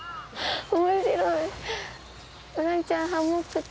面白い。